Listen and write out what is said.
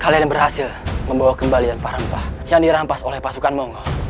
kalian berhasil membawa kembalian para empah yang dirampas oleh pasukan mongol